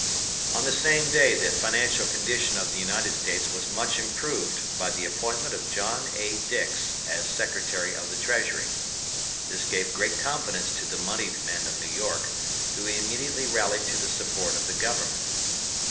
On the same day the financial condition of the United States was much improved by the appointment of John A. Dix as Secretary of the Treasury. This gave great confidence to the moneyed men of New York, who immediately rallied to the support of the Government.